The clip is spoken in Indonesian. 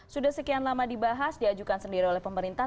sudah sekian lama dibahas diajukan sendiri oleh pemerintah